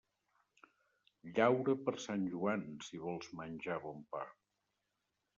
Llaura per Sant Joan si vols menjar bon pa.